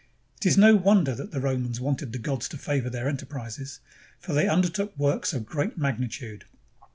It is no wonder that the Romans wanted the gods to favor their enterprises, for they undertook works of great magnitude.